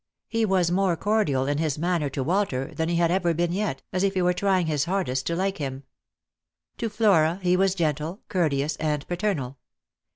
He was more cordial in his manner to Walter than he had ever been yet, as if he were trying his hardest to like him. To Mora he was gentle, courteous, and paternal.